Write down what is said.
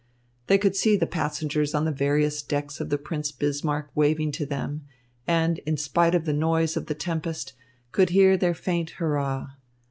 They could see the passengers on the various decks of the Prince Bismarck waving to them, and, in spite of the noise of the tempest, could hear their faint hurrah.